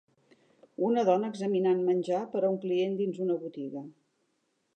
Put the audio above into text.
Una dona examinant menjar per a un client dins una botiga.